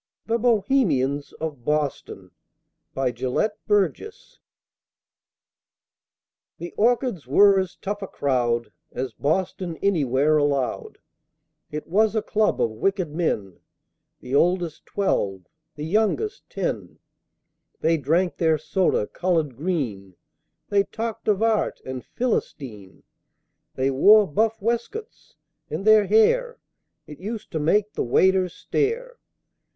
THE BOHEMIANS OF BOSTON BY GELETT BURGESS The "Orchids" were as tough a crowd As Boston anywhere allowed; It was a club of wicked men The oldest, twelve, the youngest, ten; They drank their soda colored green, They talked of "Art," and "Philistine," They wore buff "wescoats," and their hair It used to make the waiters stare!